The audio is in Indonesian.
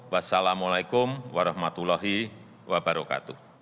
wassalamu'alaikum warahmatullahi wabarakatuh